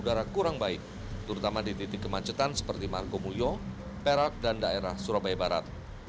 udara kurang baik terutama di titik kemacetan seperti mangkomulyo perak dan daerah surabaya barat